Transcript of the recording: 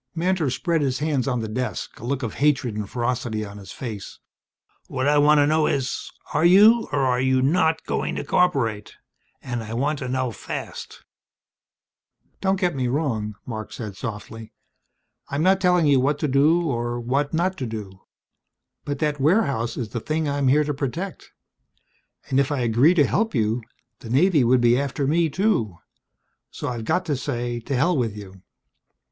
Mantor spread his hands on the desk, a look of hatred and ferocity on his face. "What I want to know is are you or are you not going to cooperate? And I want to know fast." "Don't get me wrong," Marc said softly. "I'm not telling you what to do or what not to do. But that warehouse is the thing I'm here to protect. And if I were to agree to help you, the Navy would be after me, too. So I've got to say to hell with you."